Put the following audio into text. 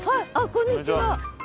こんにちは。